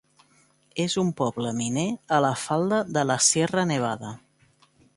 És un poble miner a la falda de la Sierra Nevada.